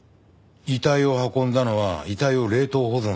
遺体を運んだのは遺体を冷凍保存するため？